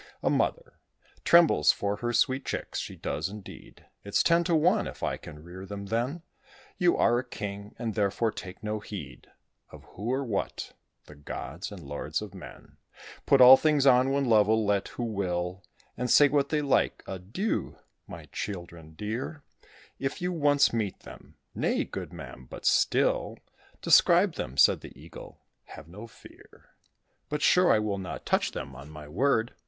"A mother Trembles for her sweet chicks she does, indeed. It's ten to one if I can rear them then. [Illustration: THE EAGLE AND THE OWL.] You are a king, and, therefore, take no heed Of who or what. The gods and lords of men Put all things on one level: let who will Say what they like. Adieu, my children dear, If you once meet them." "Nay, good ma'am, but still, Describe them," said the Eagle; "have no fear: Be sure I will not touch them, on my word."